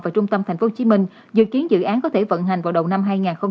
và trung tâm tp hcm dự kiến dự án có thể vận hành vào đầu năm hai nghìn hai mươi